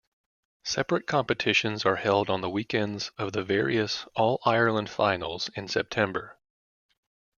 Separate competitions are held on the weekends of the various All-Ireland Finals in September.